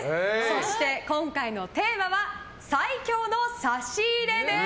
そして今回のテーマは最強の差し入れです。